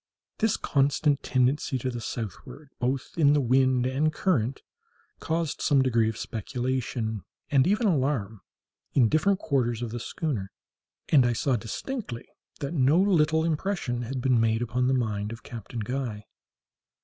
This constant tendency to the southward, both in the wind and current, caused some degree of speculation, and even of alarm, in different quarters of the schooner, and I saw distinctly that no little impression had been made upon the mind of Captain Guy.